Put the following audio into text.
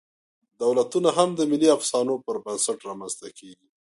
دولتونه هم د ملي افسانو پر بنسټ رامنځ ته کېږي.